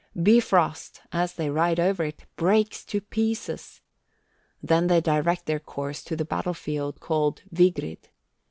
Bifrost, as they ride over it, breaks to pieces. Then they direct their course to the battlefield called Vigrid.